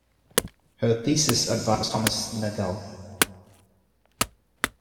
Her thesis advisor was Thomas Nagel.